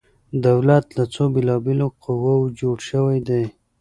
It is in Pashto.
دولت له څو بیلا بیلو قواو جوړ شوی دی؟